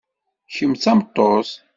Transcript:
Kemm d tameṭṭut.